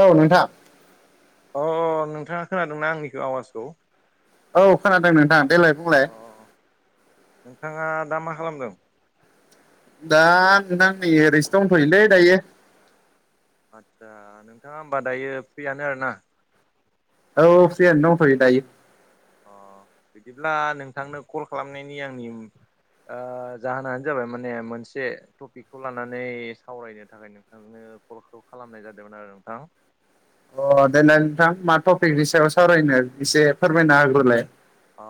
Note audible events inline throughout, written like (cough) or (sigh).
औ नोंथां अ नोंथाङा खोनादोंना आंनिखौ आवाजखौ? औ खोनादों नोंथां देलाय बुंलाय। अ नोंथाङा दा मा खालामदों? दा नोंथां नै ओरैसो दंथ'योलै दायो। आदसा नोंथाङा होमबा दायो फ्रियानो आरोना? औ फ्रियानो दंथ'यो दायो। अ बिदिब्ला नोंथांनो कल खालामनायनि आंनि जाहोनानो जाबाय माने मोनसे टपिकखौ लानानै सावरायनो थाखाय नों नो कलखौ खालामनाय जादोंमोन आरो नोंथां। अ देनाय नोंथां मा टपिकनि सायाव सावरायनो एसे फोरमायनो होग्रोलाय। अ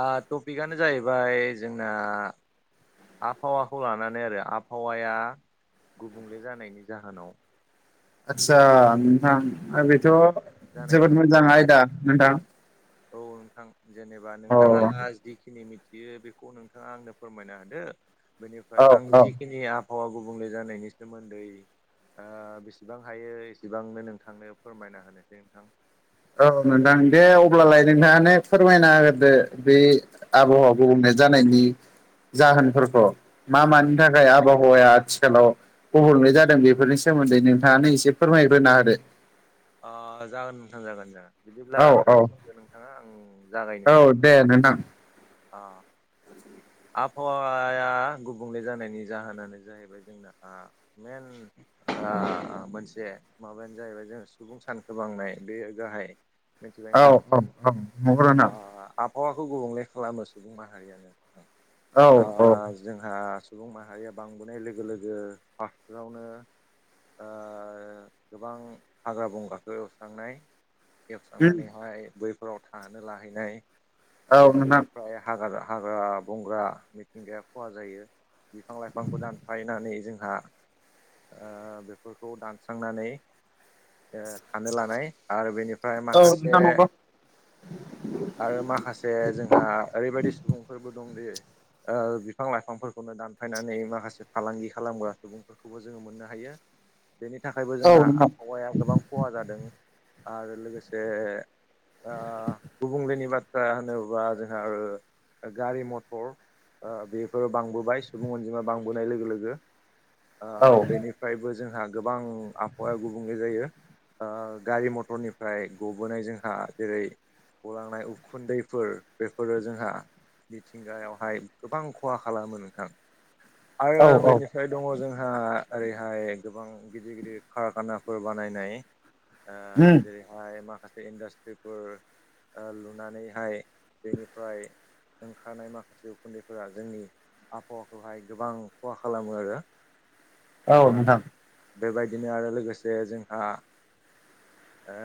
आ टपिकआनो जाहैबाय जोंना आबहावाखौ लानानै आरो आबहावाया गुबुंले जानायनि जाहोनाव आदसा नोंथां बेथ' गुबुंले जानायनि जोबोद मोजां सोमोन्दै माने आयदा नोंथां। औ नोंथां जेनेबा औ नोंथाङा जिखिनि मि थियो बेखौ नोंथाङा आंनो फोरमायनो होदो बेनिफ्राय औ आं औ जिखिनि हावा गुबुंले जानायनि सोमोन्दै ओ बेसेबां हायो एसेबांनो नों थांनो फोरमायना होनोसै नोंथां। औ नोंथां दे अब्लालाय नोंथाङानो फोरमायना होग्रोदो बे आबहावा आदसा गुबुंले जानायनि जाहोनफोरखौ मा आदसा मानि आदसा थाखाय आबाव हावाया आथिखालाव गुबुंले जादों बेफोरनि सोमोन्दै नोंथाङानो एसे फोरमायग्रोना होदो। आ जागोन नोंथां जागोन जागोन बिदिब्ला होदो औ खोनासंगोन नोंथाङा आं जागायनोसै (unintelligible) अ आबहावाया गुबुंले जानायनि जाहोनानो जाहैबाय जोंना आ मेन आ मोनसे माबायानो जाहैबाय जों सुबुं सानखो बांनाय बेयो गाहाय। मिथिबाय औ नोंथां औ औ ओ (unintelligible) आबहावाखौ गुबुंले खालामो सुबुं माहारियानो। औ उम औ जोंहा सुबुं माहारिया बांबोनाय लोगो लोगो फार्स्टावनो ओ गोबां हाग्रा बंग्राखौ एवस्रांनाय। नोंथां एवस्रांनानैहाय बैफोराव थानो लाहैनाय औ नोंथां बेफोरनिफ्राय हाग्रा हाग्रा बंग्रा मिथिंगाया खहा जायो बिफां लाइफांखौ दानफायनानै जोंहा ओ बेफोरखौ दानस्रांनानै ओ खानो लानाय आरो बेनि ओमफ्राय माखासे नंगौ आरो माखासे जोंहा ओरैबायदि सुबुंफोरबो दं दि ओ बिफां लाइफांफोरखौनो दानफायनानै माखासे फालांगि खालामग्रा सुबुंफोरखौ फोरखौबो जोङो मोननो हायो बेनि थाखायबो औ जोंहा नोंथां औ उम औ नोंथां आबहावाया गोबां खहा जादों। आरो लोगोसे ओ गुबुंलेनि बाथ्रा होनोब्ला जोंहा ओ गारि मथर बेफोरो बांबोबाय सुबुं अनजिमा बांबोनाय लोगो लोगो‌। ओ बेनिफ्रायबो जोंहा गोबां आबहावाया गुबुंले जायो। ओ गारि मथरनिफ्राय गबोनाय जोंहा जेरै गलांनाय उखुन्दैफोर बेफोरो जोंहा मिथिंगायावहाय गोबां खहा खालामो नोंथां आरो बेनि फ्राय दङ जोंहा ओरैहाय गोबां गिदिर गिदिर कारखानाफोर बानायनाय ओ जेरैहाय माखासे इन्डास्ट्रिफोर ओ लुनानैहाय बेनिफ्राय ओंखारनाय माखासे उखुन्दैफोरा जोंनि आफावाखौहाय गोबां खहा खालामो आरो ओ बेबायदिनो आरो लोगोसे जोंहा ओ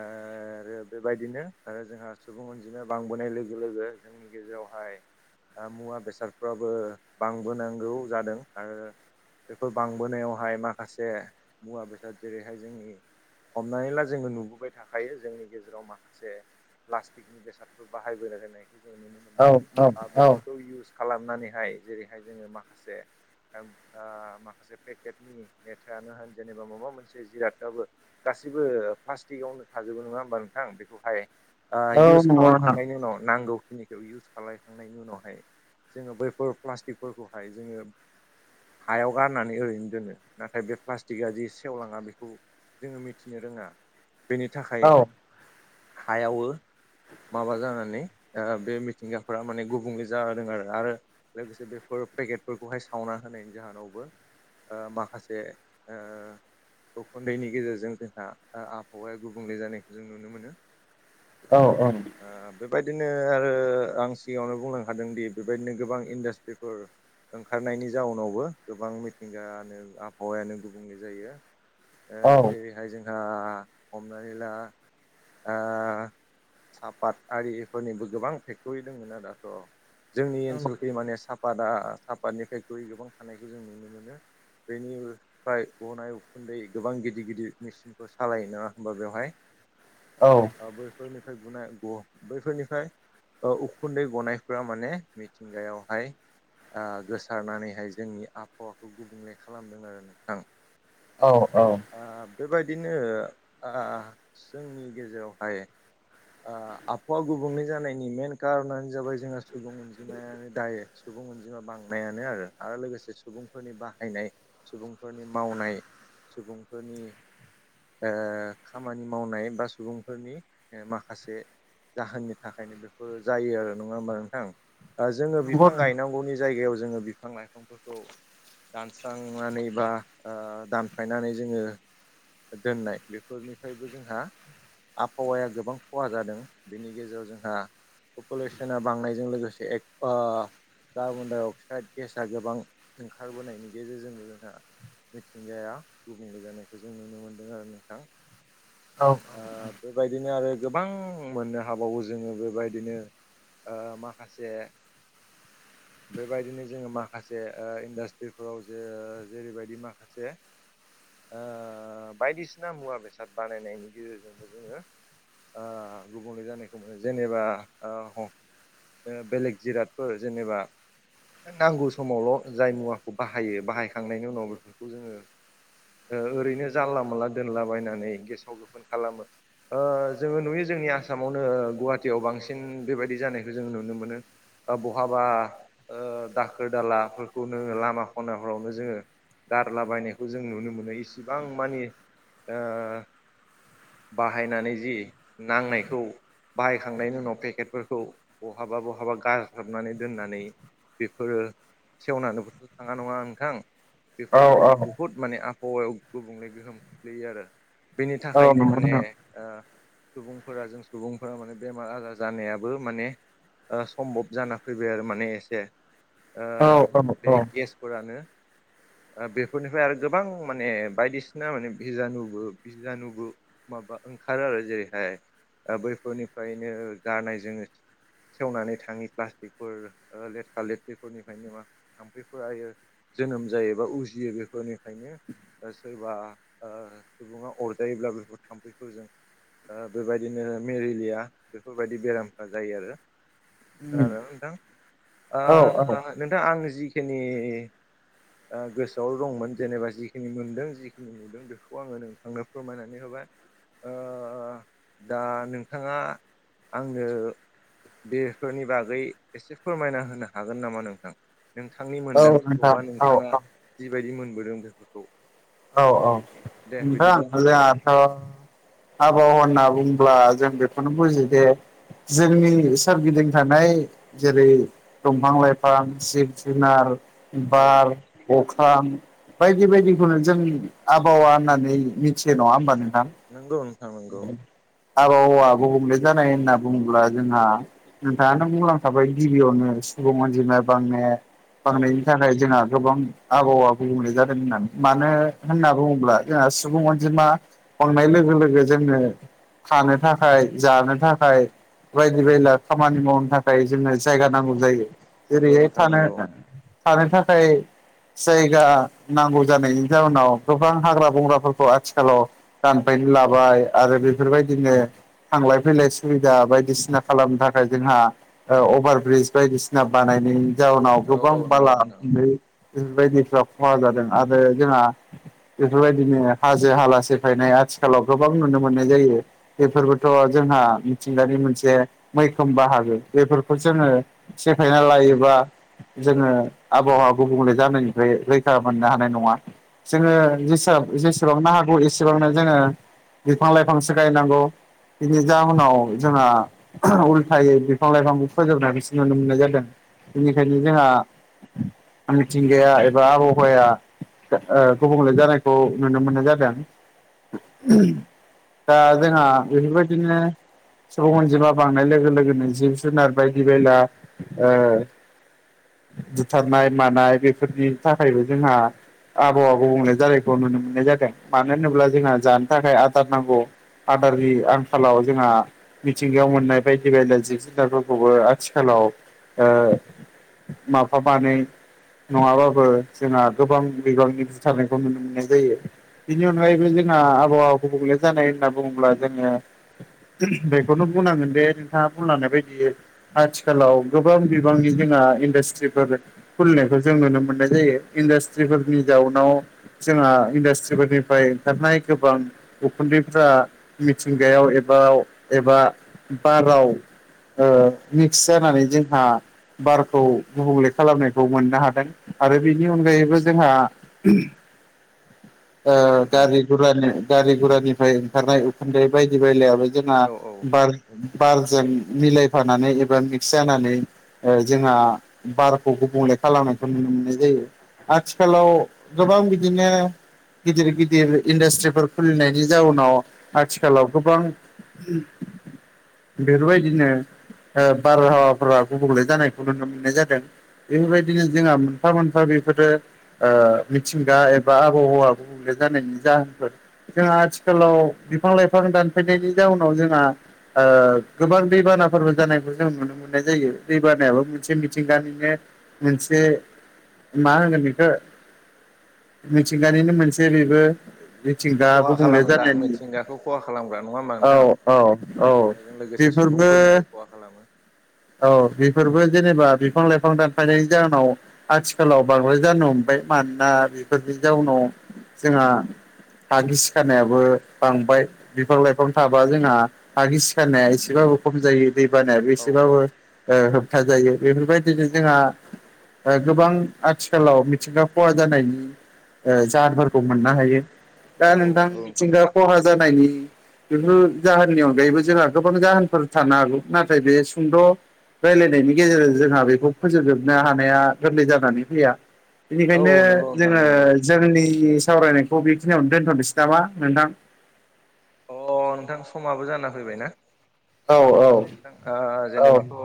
रो बेबायदिनो आरो जोंहा सुबुं अनजिमाया बांबोनाय लोगो लोगो जों जोंनि गेजेरावहाय ओ मुवा बेसादफ्राबो बांबोनांगौ जादों आरो बेफोर बांबोनायावहाय माखासे मुवा बेसाद जेरैहाय जोंनि हमनानै ला जोङो नुबोबाय थाखायो जोंनि गेजेराव माखासे प्लास्टिकनि बेसादफोर बाहाय (unintelligible) नायखौ जों नुनो औ औ ओ बेफोरखौ इउस खालामनानैहाय जेरैहाय जोङो माखासे (unintelligible) ओ माखासे पेकेटनि मेथायानो होन जेनेबा माबा मोनसे जिरादाबो गासिबो प्लास्टिकआवनो थाजोबो नङा होमबा नोंथां बेखौहाय ओ औ इउस नंगौ नोंथां खालामखांनायनि उनाव नांगौखिनिखौ इउस खालाय थांनायनि उनावहाय जोङो बैफोर प्लास्टिकफोरखौहाय जोङो हायाव गारनानै ओरैनो दोनो नाथाय बे प्लास्टिकआ जि सेवलाङा बेखौ जोङो मिथिनो रोङा बेनि थाखाय औ हायावो माबा जानानै ओ बे मिथिंगा फोरा माने गुबुंले जादों आरो आरो लोगोसे बेफोर पेकेटफोरखौहाय सावना होनायनि जाहोनावबो ओ माखासे ओ उखुन्दैनि गेजेरजों जोंहा ओ आबहावाया गुबुंले जानायखौ जों नुनो मोनो औ ओं ओ बेबायदिनो ओ आं सिगाङावनो बुंलांखादों दि बेबायदिनो गोबां इन्डास्ट्रिफोर ओंखारनायनि जाउनावबो गोबां मिथिंगायानो आबहावायानो गुबुंले जायो ओ जेरैहाय जोंहा हमनानै ला ओ सापात आरिफोरनिबो गोबां फेक्टरि दोंमोन (unintelligible) दाथ' जोंनि औ ओनोसलखि माने साफ पादा सापादनिफ्राय गु (unintelligible) गोबां थानायखौ जों नुनो मोनो बेनि फ्राय गनाय उखुन्दै गोबां गिदिर गिदिर मेसिनफोर सालायो नङा होमबा बेवहाय औ ओ बैफोरनिफ्राय गुनाय ग बैफोरनिफ्राय औ उखुन्दै गनायफ्रा माने मिथिंगायावहाय ओ गोसारनानैहाय जोंनि आफावाखौ गुबुंले खालामदों आरो नोंथां औ औ ओ बेबायदिनो ओ जोंनि गेजेरावहाय ओ आफावा गुबुंले जानायनि मेन कारनानो जाबाय जोंहा सुबुं अनजिमायानो दायरेक सुबुं अनजिमा बांनायानो आरो आरो लोगोसे सुबुंफोरनि बाहायनाय सुबुंफोरनि मावनाय सुबुंफोरनि ओ खामानि मावनाय बा सुबुंफोरनि ओ माखासे जाहोननि थाखायनो बेफोर जायो आरो नङा होमबा नोंथां ओ जोङो नंगौ बिफां नोंथां गायनांगौनि जायगायाव जोङो बिफां लाइफांफोरखौ दानस्रांनानै बा ओ दानफायनानै जोङो दोननाय बेफोरनिफ्रायबो जोंहा आफावाया गोबां खहा जादों बेनि गेजेराव जोंहा पपुलेसना बांनायजों लोगोसे एफा कार्बन डाइ अक्साइड गेस गोबां ओंखारबोनायनि गेजेरजोंबो जोंहा मिथिंगाया गुबुंले जानायखौ जों नुनो मोन्दों आरो नोंथां। औ ओ बेबायदिनो आरो गोबां मोननो हाबावो जोङो बेबायद दिनो ओ माखासे बेबायदिनो जोङो माखासे ओ इन्डास्ट्रिफोराव जे जेरैबायदि माखा जे ओ बायदिसिना मुवा बेसाद बानायनायनि गेजेरजोंबो जोङो ओ गुबुंले जानायखौ मोनो जेनेबा ओ ह ओ बेलेग जिरादफोर जेनेबा नांगौ समावल' जाय मुवाखौ बाहायो बाहायखांनायनि उनाव बेफोरखौ जोङो ओ ओरैनो जानला मोनानला दोनलाबायनानै गेसाव गोफोन खालामो। ओ जोङो नुयो जोंनि आसामावनो गुहाटियाव बांसिन बेबायदि जानायखौ जोङो नुनो मोनो। ओ बहाबा ओ दाखोर दालाफोरखौनो लामा खनाफोरावनो जोङो गारलाबायनायखौ जों नुनो मोनो इसिबां मानि ओ बाहायनानै जि नांनायखौ बाहायखांनायनि उनाव पेकेटफोरखौ बहाबा बहाबा गारग्लोबनानै दोननानै बेफोरो सेवननानैबोथ' थाङा नङा नोंथां? बेफोरनो औ माने औ बुहुत माने आबहावायाव गुबुंले गोहोम खोख्लैयो आरो। बेनि औ थाखायनो नंगौ माने नोंथां ओ सुबुंफोरा जों सुबुंफोरा माने बेमार आजार जानायाबो माने ओ सम्भब जाना फैबाय आरो माने एसे ओ औ औ बे गेस फोरानो ओ बेफोरनिफ्राय आरो गोबां माने बायदिसिना माने भिजिनुबो भिजानुबो माबा ओंखारो आरो जेरैहाय ओ बैफोरनिफ्रायनो (unintelligible) सेवनानै थाङि प्लास्टिकफोर ओ लेथ्रा लेथ्रिफोरनिफ्रायनो मा थाम्फैफोरा यो जोनोम जायोबा उजियो बेफोरनिफ्रायनो। ओ सोरबा ओ सुबुुङा अरजायोब्ला बेफोर थाम्फैफोरजों ओ बेबायदिनो मेरिलिया बेफ फोरबायदि बेरामफ्रा जायो आरो उम खोनादों ना नोंथां औ औ ओ नोंथां आं जिखिनि ओ गोसोआव दंमोन जेनेबा जिखिनि मोनदों जिखिनि नुदों बेखौ आङो नोंथांनो फोरमायनानै होबाय। ओ दा नोंथाङा आंनो बेफोरनि बागै एसे फोरमायना होनो हागोन नामा नोंथां? नोंथांनि मोनदांथिखौ नोंथां बा औ नोंथाङा जिबायदि मोनबोदों बेफोरखौ औ औ दे नोंथां बिदिब्ला फोरमायना (unintelligible) आबहावा होनना बुंब्ला जों बेखौनो बुजि दे जोंनि सोरगिदिं थानाय जेरै दंफां लाइफां जिब जुनार होदो। औ बार अख्रां बायदि बायदिखौनो जों आबहावान होननानै मिथियो नङा होमबा नोंथां? नोंगौ नोंथां नोंगौ। आबहावा गुबुंले जानाय होनना बुङोब्ला जोंहा नोंथाङानो बुंलांखाबाय गिबियावनो सुबुं अनजिमाया बांने औ बांनायनि थाखाय जोंहा गोबां आबहावा गुबुंले जादों होननानै मानो होनना बुङोब्ला जोंहा सुबुं अनजिमा बांनाय लोगो लोगो जोंनो थानो थाखाय जानो थाखाय बायदि बायला खामानि मावनो थाखाय जोंनो जायगा नांगौ जायो नंगौ जेरैहाय नोंथां थानो नंगौ थानो थाखाय जायगा नांगौ जानायनि जाउनाव गोबां हाग्राब बंग्राफोरखौ आथिखालाव दानबायनो लाबाय आरो बेफोरबायदिनो थांलाय फैलाय सुबिदा बायदिसिना खालामनो थाखाय जोंहा अभार ब्रिज बायदिसिना बानायनायनि जाउनाव औ गोबां औ नंगौ बाला नोंथां गुन्दै बेफोरबायदिफ्रा खहा जादों आरो जोंहा बेफोरबायदिनो हाजो हाला सेफायनाय आथिखालाव गोबां नुनो मोननाय जायो। बेफोरबोथ' जोंहा मिथिंगानि मोनसे मैखोम बाहागो बेफोरखौ जोङो सेफायना लायोबा जोङो आबहावा गुबुंले जानायनिफ्राय रैखा मोननो हानाय नङा जोङो जेसेबांनो हागौ एसेबांनो जोङो बिफां -लाइफांसो गायनांगौ बिनि जाउनाव जोंहा उल्थायै बिफां- लाइफांखौ फोजोबनायखौसो नुनो मोननाय जादों बेनिखायनो जोंहा मिथिंगाया एबा आबहावाया ओ गुबुंले जानाय (unintelligible) नुनो मोननाय जादों दा जोंहा बेफोरबायदिनो सुबुं अनजिमा बांनाय लोगो लोगोनो जिब -जुनार बायदि बायला बुथारनाय मानाय बेफोरनि थाखायबो जोंहा आबहावा गुबुंले जायो। नुनो मोननाय जादों मानो होनोब्ला जोंहा जानो थाखाय आदार नांगौ। आदारनि आंखालाव जोंहा मिथिंगायाव मोननाय बायदि बायदि जिब- जुनारफोरखौबो आथिखालाव ओ माबा मानानै नङाबाबो जोंहा गोबां बिबांनि बुथारनायखौ नुनो मोनो। जायो बिनि अनगायैबो जोंहा आबहावाखौ गुबुंले जानाय होनना बुङोब्ला जोङो बेखौनो बुंनांगोन दे नोंथाङा बुंलांनाय बायदि आथिखालाव गोबां बिबांनि जोंना इन्डास्ट्रिफोर खुलिनायखौ जों नुनो मोननाय जायो इन्डास्ट्रिफोरनि जाउनाव जोंहा इन्डास्ट्रिफोरनिफ्राय ओंखारनाय गोबां उखुन्दैफ्रा मिथिंगायाव एबा एबा बाराव ओ मिक्स जानानै जोंहा बारखौ गुबुंले खालामनायखौ मोननो हादों आरो बेनि अनगायैबो जोंहा औ नोंथां दा बेफोरबादिनो गारि -गुरानिफ्राय ओंखारनाय उखुन्दै बायदि बायलाबो जोंना औ औ बार- बारजों मिलायफानानै एबा मिक्स जानानै जोंहा बारखौ गुबुंले खालामनायखौ नुनो मोननाय जायो। आथिखालाव गोबां बिदिनो गिदिर- गिदिर इन्डास्ट्रिफोर खुलिनायनि जाउनाव आथिखालाव गोबां बेफोरबायदिनो बारहावाफोरा गुबुंले जानायखौ नुनो मोननाय जादों। बेफोरबायदिनो जोंहा मोनफा मोनफा बेफोरो मिथिं एबा आबहावा गुबुंले जानायनि जाहोनफोर जोंहा आथिखालाव बिफां- लाइफां दानफायनायनि जाउनाव जोंहा गोबां दैबानाफोरबो जानायखौ जों नुनो मोननाय जायो दैबानायाबो मोनसे मिथिंगानिनो मोनसे मा होनगोन बेखौ मिथिंगानिनो मोनसेै बेबो मिथिंगा खहा गुबुंले खालामग्रा जानायनि मिथिंगाखौ खहा खालामग्रा नङा होमा औ नोंथां? औ औ मिथिंगाजों लोगोसे बेफोरबो सुबुंफोरनिबो खहा खालामो। औ बेफोरबो जेनेबा बिफां -लाइफां दानफायनायनि जाहोनाव आथिखालाव बांद्राय जानो हमबाय मानोना बेफोरनि जाउनाव जोंहा हा गिसि खानायाबो बांबाय बिफां -लाइफां थाबा जोंहा हा गिसिखानाया एसेबाबो खम जायो। दै बानाया औ औ एसेबाबो ओ होबथा जायो बेफोरबायदिनो जोंहा गोबां आथिखालाव मिथिंगा खहा जानायनि जाहोनफोरखौ मोननो हायो दा औ औ नोंथां नंगौ मिथिंगा खहा जानायनि बेफोर जाहोननि अनगायैबो जोंहा गोबां जाहोनफोर थानो हागौ नाथाय बे सुंद' रायजलायनायनि गेजेरजों जोंहा बेखौ फोजोबजोबनो हानाया गोरलै जानानै फैया। औ बेनिखायनो नंगौ नोंथां जोङो नंगौ जोंनि सावरायनायखौ बेखिनियावनो दोन्थ'नोसै नामा नोंथां? अ नोंथां समाबो जाना फैबाय ना। औ दोनथ'नोसै नोंथां ओ औ जेनेबाथ' ओ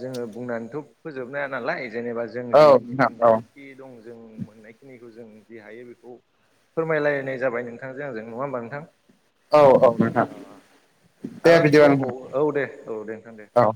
जोङो बुंनानैथ' फोजोबनो हा नालाय जेनेबा जों औ जिखिनि नोंथां मोनदां औ थि दं जों मोननायखिनिखौ जों जि हायो बेखौ फोरमायलायनाय जाबाय नोंथांजों आंजों नङा होमबा नोंथां? औ औ। नोंथां अ दे आरो बिदिबा दंबावो नोंथां औ दे औ दे नोंथां दे दे। औ